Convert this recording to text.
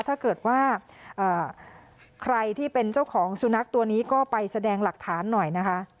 ถ้าเกิดว่าใครที่เป็นเจ้าของสุนัขตัวนี้ก็ไปแสดงหลักฐานหน่อยนะคะ